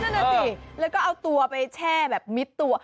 นั่นน่ะสิแล้วก็เอาตัวไปแช่แบบมิดตัว